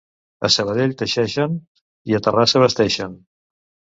A Sabadell teixeixen i a Terrassa vesteixen.